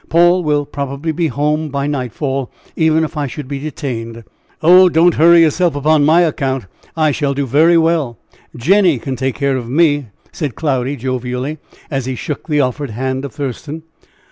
Paul will probably be home by nightfall, even if I should be detained." "Oh, don't hurry yourself upon my account. I shall do very well. Jenny can take care of me," said Cloudy, jovially, as he shook the offered hand of Thurston.